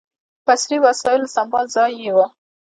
په عصري وسایلو سمبال ځای یې و.